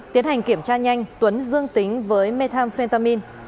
tiến hành kiểm tra nhanh tuấn dương tính với methamphetamin